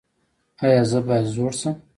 ایا زه باید زوړ شم؟